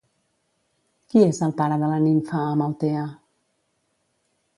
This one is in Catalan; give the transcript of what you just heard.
Qui és el pare de la nimfa Amaltea?